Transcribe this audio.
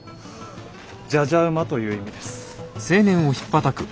じゃじゃ馬という意味です。